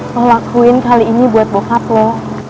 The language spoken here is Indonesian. lo lakuin kali ini buat bokap lo